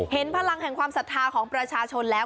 เห็นพลังแห่งความศรัทธาของประชาชนแล้ว